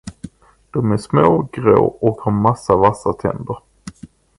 Dom är små, grå och har många vassa tänder.